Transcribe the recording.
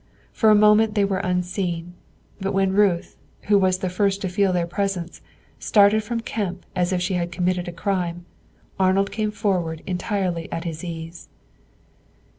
For a moment they were unseen; but when Ruth, who was the first to feel their presence, started from Kemp as if she had committed a crime, Arnold came forward entirely at his ease.